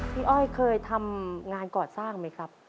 อ้อยเคยทำงานก่อสร้างไหมครับ